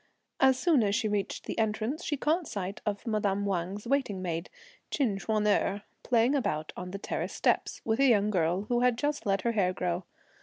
As soon as she reached the entrance, she caught sight of madame Wang's waiting maid, Chin Ch'uan erh, playing about on the terrace steps, with a young girl, who had just let her hair grow.